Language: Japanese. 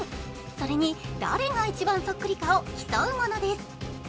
それに誰が一番そっくりかを競うものです。